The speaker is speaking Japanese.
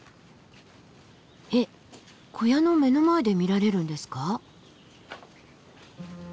えっ小屋の目の前で見られるんですか？